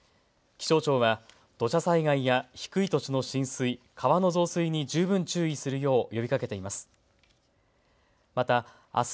気象庁は土砂災害や低い土地の浸水、川の増水に十分注意するよう呼びかけています。